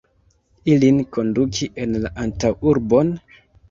ilin konduki en la antaŭurbon?